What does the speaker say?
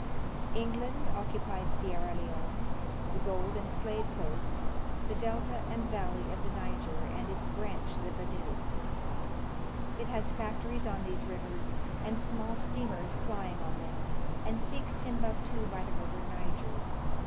England occupies Sierra Leone, the Gold and Slave Coasts, the delta and valley of the Niger, and its branch the Benue. It has factories on these rivers, and small steamers plying on them, and seeks Timbuctu by the river Niger.